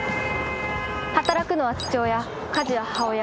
働くのは父親家事は母親。